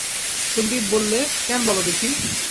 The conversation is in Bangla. সন্দীপ বললে, কেন বলো দেখি।